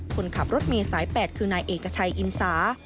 คนขับรถเมษายนท์๘คือนายเอกชัยอินซา